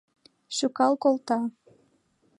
Шӱкал колта.